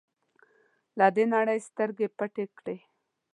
له دې نړۍ سترګې پټې کړې.